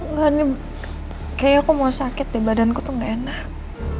kayaknya aku mau sakit deh badanku tuh gak enak